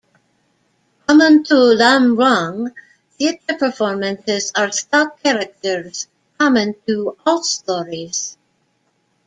Common to Lam Luang theatre performances are stock characters common to all stories.